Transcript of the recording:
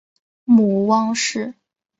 母汪氏。